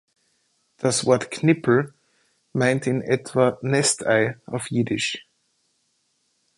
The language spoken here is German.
Das Wort „knipl“ meint in etwa „Nestei“ auf Jiddisch.